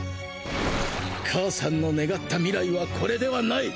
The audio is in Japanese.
母さんの願った未来はこれではない！